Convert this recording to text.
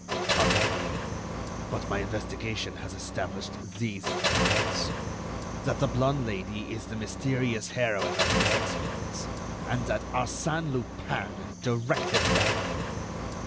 "Pardon me, but my investigation has established these facts: that the blonde Lady is the mysterious heroine of these exploits, and that Arsène Lupin directed them."